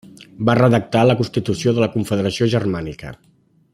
Va redactar la Constitució de la Confederació Germànica.